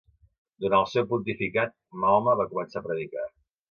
Durant el seu pontificat, Mahoma va començar a predicar.